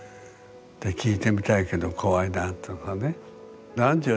聞いてみたいけど怖いな」とかね。